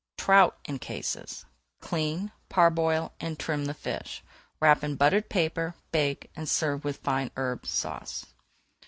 TROUT IN CASES Clean, parboil, and trim the fish, wrap in buttered paper, bake, and serve with Fine Herb Sauce.